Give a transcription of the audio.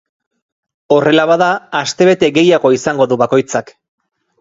Horrela bada, astebete gehiago izango du bakoitzak.